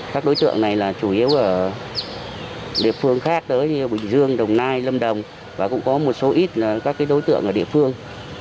các đối tượng này là chủ yếu ở địa phương khác đó như bình dương đồng nai lâm đồng và cũng có một số ít các đối tượng ở địa phương